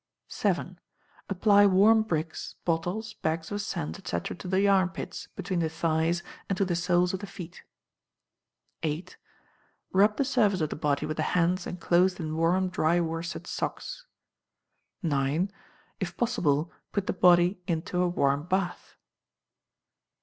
vii. Apply warm bricks, bottles, bags of sand, &c., to the armpits, between the thighs, and to the soles of the feet. viii. Rub the surface of the body with the hands enclosed in warm dry worsted socks. ix. If possible, put the body into a warm bath.